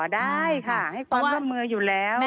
ได้ค่ะให้ความร่วมมืออยู่แล้ว